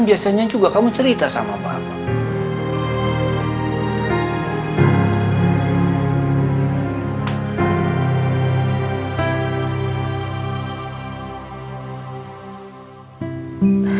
biasanya juga kamu cerita sama bapak